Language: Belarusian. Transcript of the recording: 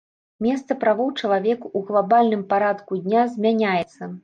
Месца правоў чалавека ў глабальным парадку дня змяняецца.